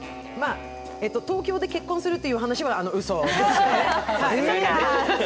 東京で結婚するという話はうそですね。